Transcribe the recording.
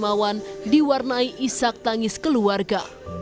pemakaman yang dikenal di bsd diwarnai isak tangis keluarga